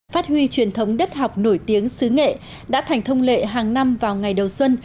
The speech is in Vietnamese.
phát huy truyền thống đất học nổi tiếng xứ nghệ đã thành thông lệ hàng năm vào ngày đầu xuân